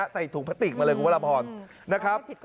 ใส่ถุงพลาติกมาเลยคุณพระอบศาล